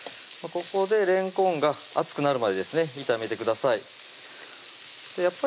ここでれんこんが熱くなるまでですね炒めてください